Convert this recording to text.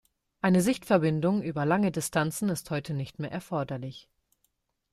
Eine Sichtverbindung über lange Distanzen ist heute nicht mehr erforderlich.